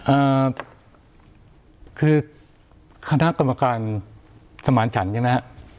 เอ่อคือคณะกรรมการสมรรถชันใช่ไหมครับ